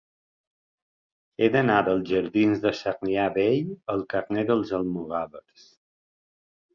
He d'anar dels jardins de Sarrià Vell al carrer dels Almogàvers.